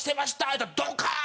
言うたらドカン！